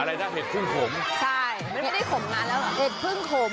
อะไรนะเห็ดพึ่งขมใช่มันไม่ได้ขมนานแล้วเหรอเห็ดพึ่งขม